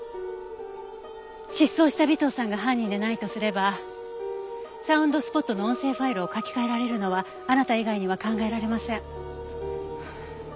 失踪した尾藤さんが犯人でないとすればサウンドスポットの音声ファイルを書き換えられるのはあなた以外には考えられません。